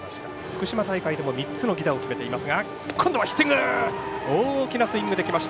福島大会でも３つの犠打を決めています。